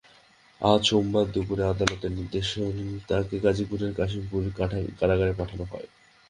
আজ সোমবার দুপুরে আদালতের নির্দেশে তাঁকে গাজীপুরের কাশিমপুর কারাগারে পাঠানো হয়।